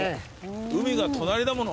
海が隣だもの。